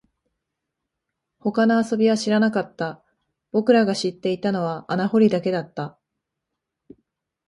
他の遊びは知らなかった、僕らが知っていたのは穴掘りだけだった